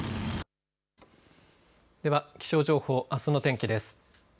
では気象情報、あすの天気です。